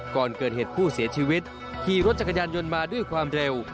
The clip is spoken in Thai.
ก่อนเกิดเหตุผู้เสียชีวิตขี่รถจักรยานยนต์มาด้วยความเร็ว